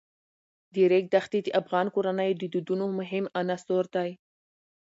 د ریګ دښتې د افغان کورنیو د دودونو مهم عنصر دی.